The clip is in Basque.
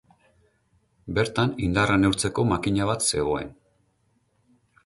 Bertan indarra neurtzeko makina bat zegoen.